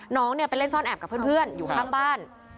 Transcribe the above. น้องเนี่ยไปเล่นซ่อนแอบกับเพื่อนอยู่ข้างบ้าน